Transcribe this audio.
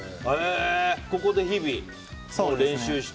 ここで日々練習して。